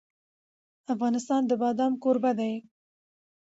افغانستان د بادام کوربه دی.